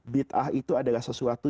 bid'ah itu adalah sesuatu